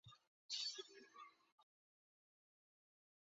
帆布大多是用亚麻或麻制成。